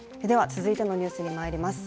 続いてのニュースにまいります。